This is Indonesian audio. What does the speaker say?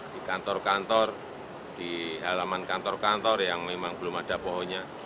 di kantor kantor di halaman kantor kantor yang memang belum ada pohonnya